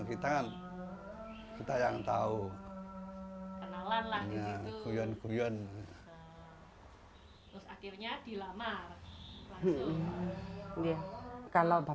kami eging kami menjadi setesone biji